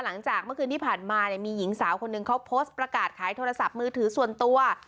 หลังจากเมื่อคืนที่ผ่านมาเนี่ยมีหญิงสาวคนหนึ่งเขาโพสต์ประกาศขายโทรศัพท์มือถือส่วนตัว